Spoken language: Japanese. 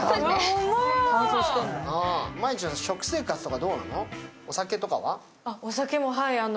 毎日の食生活とかどうなの？